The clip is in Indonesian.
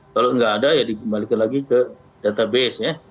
kalau nggak ada ya dikembalikan lagi ke database ya